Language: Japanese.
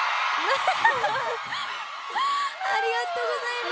ありがとうございます。